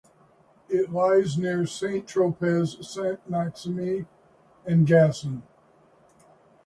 It lies near St-Tropez, Sainte-Maxime and Gassin.